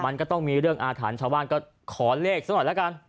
มันก็ต้องมีเรื่องอาถรรพ์ชาวบ้านก็ขอเลขสักหน่อยแล้วกัน